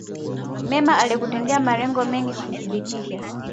mema aliyokutendea Malengo mengi huthibitisha